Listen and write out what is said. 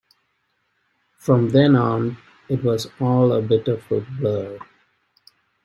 From then on it was all a bit of a blur.